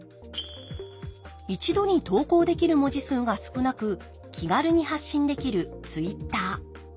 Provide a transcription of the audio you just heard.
一度に投稿できる文字数が少なく気軽に発信できるＴｗｉｔｔｅｒ。